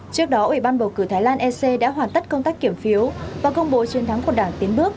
trước đó ủy ban bầu cử thái lan ec đã hoàn tất công tác kiểm phiếu và công bố chiến thắng của đảng tiến bước